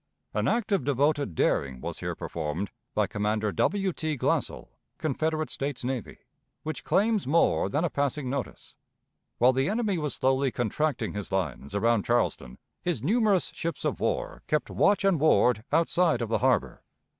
An act of devoted daring was here performed by Commander W. T. Glassell, Confederate States Navy, which claims more than a passing notice. While the enemy was slowly contracting his lines around Charleston, his numerous ships of war kept watch and ward outside of the harbor.